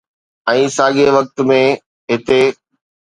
۽ ساڳئي وقت ۾ هتي